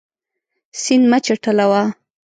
سیند مه چټلوه.